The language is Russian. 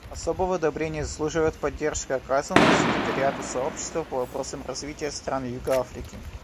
Особого одобрения заслуживает поддержка, оказываемая секретариату Сообщества по вопросам развития стран юга Африки.